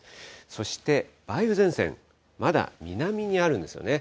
そして梅雨前線、まだ南にあるんですよね。